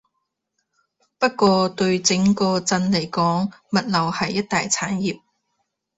不過對整個鎮嚟講，物流係一大產業